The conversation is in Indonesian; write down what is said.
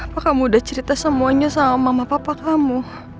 apa kamu udah cerita semuanya sama mama papa kamu